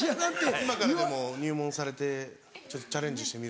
今からでも入門されてチャレンジしてみるのも。